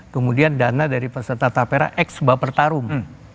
kemudian dana dari peserta tapra ex bapak pertarung